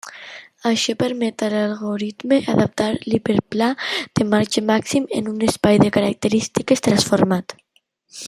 Això permet a l'algoritme adaptar l'hiperplà de marge màxim en un espai de característiques transformat.